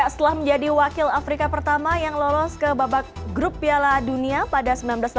setelah menjadi wakil afrika pertama yang lolos ke babak grup piala dunia pada seribu sembilan ratus enam puluh